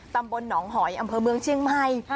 ตำบลหนองหอยอำเภอเมืองเชียงใหม่